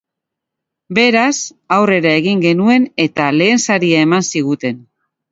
Beraz, aurrera egin genuen eta lehen saria eman ziguten.